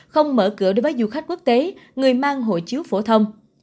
không mở cửa đối với du khách quốc tế người mang hộ chiếu phổ thông